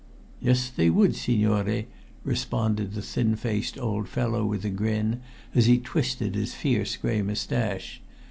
"Yes, they would, signore," responded the thin faced old fellow with a grin, as he twisted his fierce gray mustache.